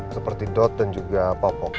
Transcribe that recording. seperti dot dan juga popok